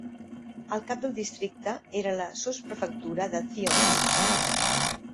El cap del districte era la sotsprefectura de Thionville.